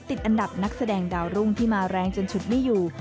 ติดอันดับนักแสดงดาวรุ่งที่มาแรงจนฉุดไม่อยู่